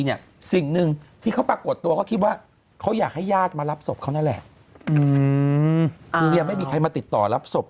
เนี่ยสิ่งนึงที่เขาปรากฏตัวเขาอยากให้หญ้าจะมารับศพเขานะแหละไม่มีใครมาติดต่อรับศพ